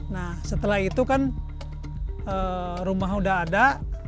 nah setelah itu kan rumah udah ada